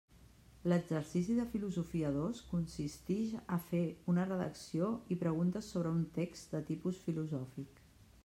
L'exercici de Filosofia dos consistix a fer una redacció i preguntes sobre un text de tipus filosòfic.